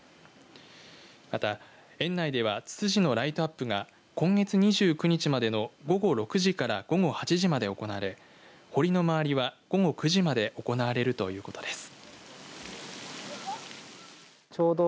また園内ではツツジのライトアップが今月２９日までの午後６時から午後８時まで行われ堀の周りは午後９時まで行われるということです。